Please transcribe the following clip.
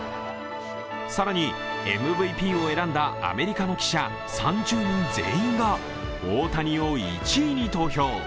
更に、ＭＶＰを選んだアメリカの記者３０人全員が大谷を１位に投票。